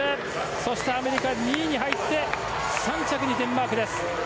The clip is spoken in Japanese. そしてアメリカが２位に入って３着にデンマーク。